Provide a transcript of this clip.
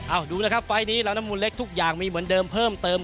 ละกดดูนะครับไฟล์นี้นมุลล็คทุกอย่างมีเหมือนเดิมเติม